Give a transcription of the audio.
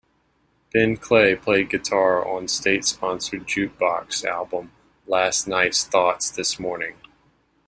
Ben Clay played guitar on 'State Sponsored Jukebox' album 'Last Nights Thoughts This Morning'.